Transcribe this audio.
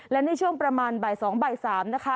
และในช่วงประมาณบ่าย๒บ่าย๓นะคะ